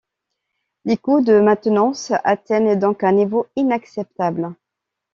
Les coûts de maintenance atteignent donc un niveau inacceptable.